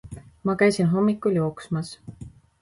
Ma käisin hommikul jooksmas